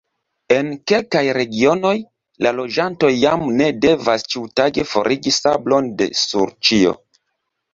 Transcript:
En kelkaj regionoj, la loĝantoj jam ne devas ĉiutage forigi sablon de sur ĉio.